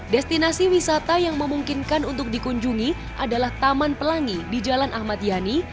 destinasi wisata yang memungkinkan untuk dikunjungi adalah taman pelangi di jalan ahmad yani